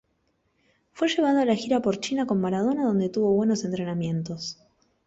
Fue llevado a la gira por China con Maradona donde tuvo buenos entrenamientos.